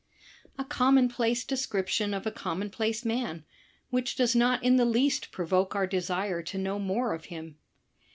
A commonplace description of a commonplace man, which does not in the least provoke our desire to know more of him.